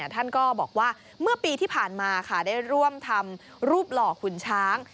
ท่านก็บอกว่าเมื่อปีที่ผ่านมาค่ะได้ร่วมทำรูปหล่อขุนช้าง